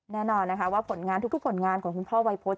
แน่นอนนะคะว่าผลงานทุกผลงานของคุณพ่อวัยพฤษ